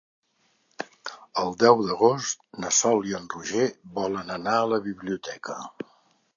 El deu d'agost na Sol i en Roger volen anar a la biblioteca.